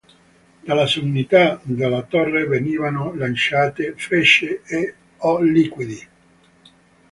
Dalla sommità della torre venivano lanciate frecce o liquidi.